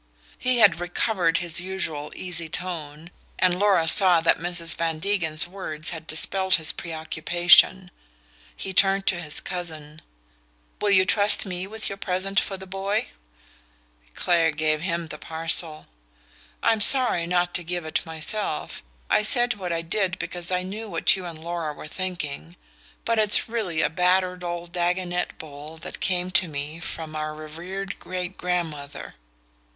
He had recovered his usual easy tone, and Laura sat that Mrs. Van Degen's words had dispelled his preoccupation. He turned to his cousin. "Will you trust me with your present for the boy?" Clare gave him the parcel. "I'm sorry not to give it myself. I said what I did because I knew what you and Laura were thinking but it's really a battered old Dagonet bowl that came down to me from our revered great grandmother."